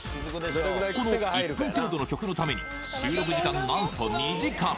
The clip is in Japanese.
この１分程度の曲のために収録時間何と２時間！